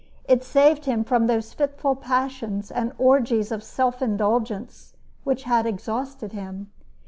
It saved him from those fitful passions and orgies of self indulgence which had exhausted him.